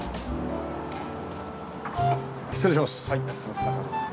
失礼します。